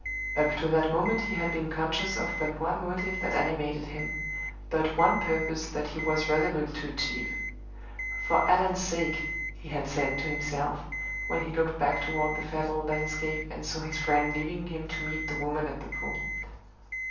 Up to that moment he had been conscious of but one motive that animated him, but one purpose that he was resolute to achieve. "For Allan's sake!" he had said to himself, when he looked back toward the fatal landscape and saw his friend leaving him to meet the woman at the pool.